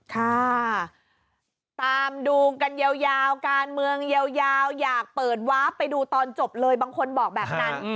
ค่ะตามดูกันยาวการเมืองยาวอยากเปิดวาร์ฟไปดูตอนจบเลยบางคนบอกแบบนั้น